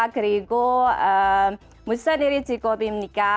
dan apa kerja anda